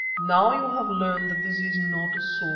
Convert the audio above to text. Now you have learned that this is not so.